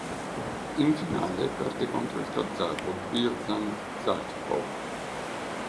In finale perde contro il kazako Birzhan Zhakypov.